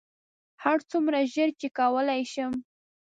هرڅومره ژر چې کولی شم.